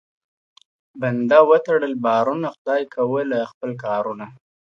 ¬ بنده و تړل بارونه، خداى کوله خپل کارونه.